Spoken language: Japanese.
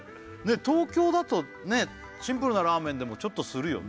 東京だとシンプルなラーメンでもちょっとするよね